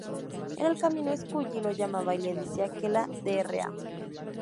En el camino Scully lo llama y le dice que la Dra.